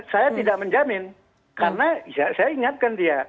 saya tidak menjamin karena saya ingatkan dia